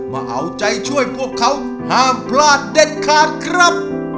มาเอาใจช่วยพวกเขาห้ามพลาดเด็ดขาดครับ